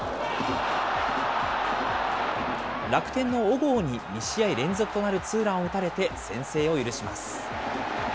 楽天の小郷に２試合連続となるツーランを打たれて先制を許します。